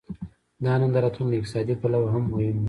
دا نندارتون له اقتصادي پلوه هم مهم و.